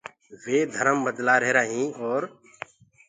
وي مجب بدلآهيرآ هينٚ اور